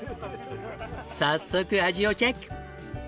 早速味をチェック！